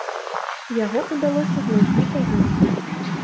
Яго ўдалося знайсці пазней.